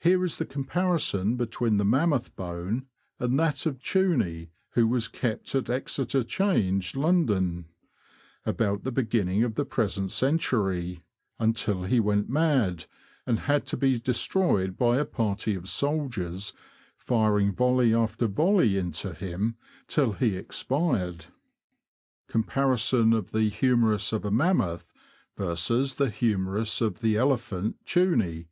Here is the comparison between the mammoth bone and that of Chuny, who was kept at Exeter Change, London, about the beginning of the present century, until he went mad, and had to be destroyed by a party of soldiers firing volley after volley into him till he expired :— Httmerus of Mammoth. Humerus of Chuny. 53in.